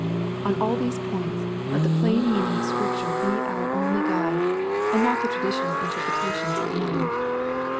— ^On all these points let the plain meaning of Scripture be our only guide, and not the traditional interpretations of men.